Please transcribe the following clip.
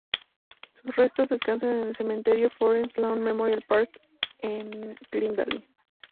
Sus restos descansan en el Cementerio Forest Lawn Memorial Park, en Glendale.